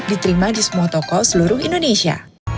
diterima di semua toko seluruh indonesia